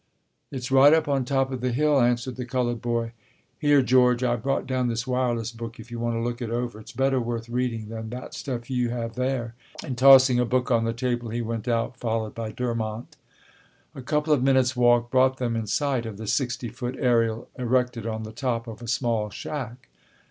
"It's right up on top of the hill," answered the colored boy. "Here, George, I brought down this wireless book if you want to look it over, it's better worth reading than that stuff you have there," and tossing a book on the table he went out, followed by Durmont. A couple of minutes' walk brought them in sight of the sixty foot aerial erected on the top of a small shack.